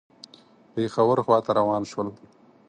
پېښور خواته روان شول.